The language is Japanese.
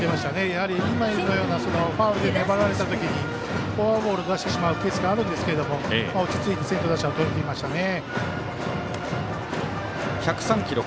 やはり今のようなファウルで粘られた時にフォアボールを出してしまうケースがあるんですけれども落ち着いて先頭打者を１０３キロ。